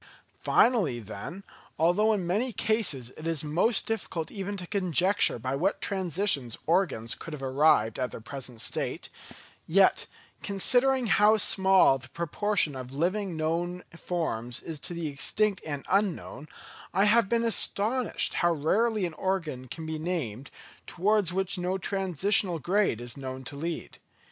Finally, then, although in many cases it is most difficult even to conjecture by what transitions organs could have arrived at their present state; yet, considering how small the proportion of living and known forms is to the extinct and unknown, I have been astonished how rarely an organ can be named, towards which no transitional grade is known to lead.